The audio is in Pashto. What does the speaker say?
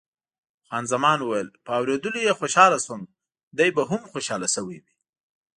خان زمان وویل، په اورېدلو یې خوشاله شوم، دی به هم خوشاله شوی وي.